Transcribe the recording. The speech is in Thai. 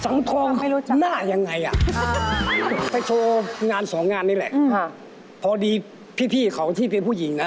สังทองหน้ายังไงล่ะไปโชว์งานสองงานนี่แหละพอดีพี่เขาที่เป็นผู้หญิงนะ